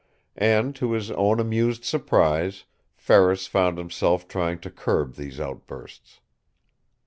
And to his own amused surprise, Ferris found himself trying to curb these outbursts.